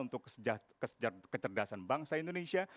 untuk kecerdasan bangsa indonesia